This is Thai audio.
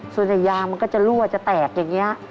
ส่วนใหญ่ยางมันก็จะรั่วจะแตกอย่างนี้